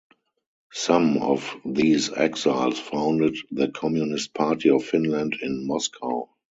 Some of these exiles founded the Communist Party of Finland in Moscow.